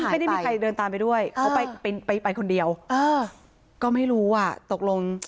เพื่อนไม่มีใครเดินตามไปด้วยเขาไปคนเดียวก็ไม่รู้ว่าตกลง